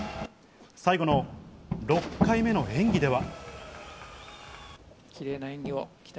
最後の６回目の演技では。